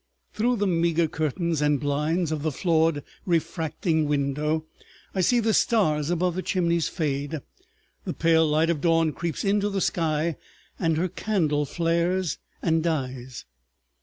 Through the meagre curtains and blinds of the flawed refracting window I see the stars above the chimneys fade, the pale light of dawn creeps into the sky, and her candle flares and dies.